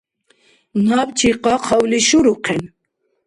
Набчи къакъ гьавли шурухъен.